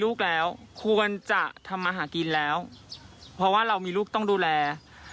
ลูกแล้วควรจะทำมาหากินแล้วเพราะว่าเรามีลูกต้องดูแล